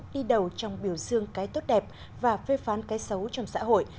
đi đầu trong biểu dương cái tốt đẹp và phê phán cái xấu trong xã hội